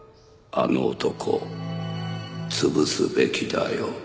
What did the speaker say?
あの男潰すべきだよ。